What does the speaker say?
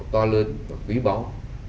to lớn và quý báu